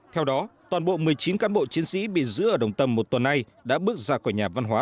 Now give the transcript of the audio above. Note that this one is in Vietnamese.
theo đó toàn bộ một mươi chín cán bộ chiến sĩ bị giữ ở đồng tâm một tuần nay đã bước ra khỏi nhà văn hóa